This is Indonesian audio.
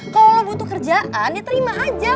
kalau butuh kerjaan ya terima aja